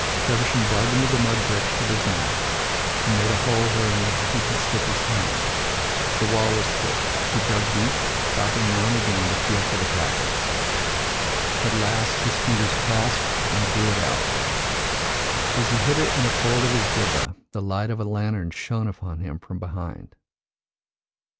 Feversham dug into the mud bricks with his knife; he made a hole wherein he could slip his hand. The wall was thick; he dug deep, stopping now and again to feel for the packet. At last his fingers clasped and drew it out; as he hid it in a fold of his jibbeh, the light of a lantern shone upon him from behind."